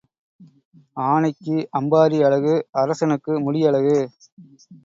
ஆனைக்கு அம்பாரி அழகு அரசனுக்கு முடி அழகு.